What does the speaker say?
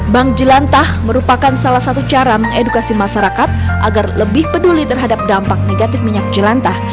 bank jelantah merupakan salah satu cara mengedukasi masyarakat agar lebih peduli terhadap dampak negatif minyak jelantah